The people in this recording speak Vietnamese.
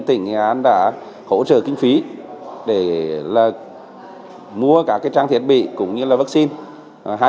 hai mươi chín tỉnh nghệ an đã hỗ trợ kinh phí để mua các trang thiết bị cũng như là vaccine